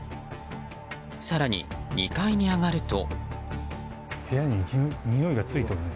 更に、２階に上がると。